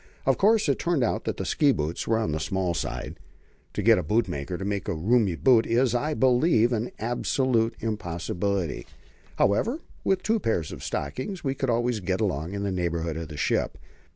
Of course it turned out that the ski boots were on the small side. To get a bootmaker to make roomy boots is, I believe, an absolute impossibility. However, with two pairs of stockings we could always get along in the neighbourhood of the ship.